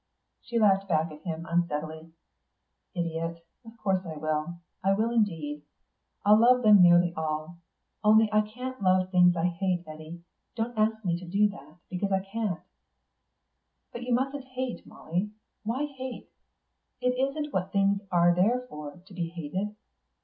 She laughed back at him, unsteadily. "Idiot, of course I will. I will indeed. I'll love them nearly all. Only I can't love things I hate, Eddy. Don't ask me to do that, because I can't." "But you mustn't hate, Molly. Why hate? It isn't what things are there for, to be hated.